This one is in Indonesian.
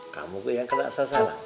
kamu yang kena asal asal